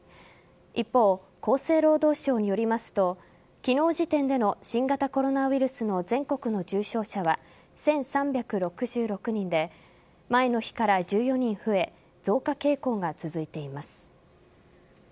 一方、厚生労働省によりますと昨日時点での新型コロナウイルスの全国の重症者は１３６６人で前の日から１４人増え増加傾向が続いています。